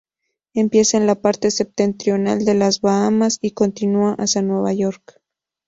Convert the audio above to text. Empieza en la parte septentrional de las Bahamas y continúa hacia Nueva York.